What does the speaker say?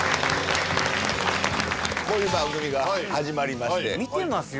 こういう番組が始まりまして見てますよ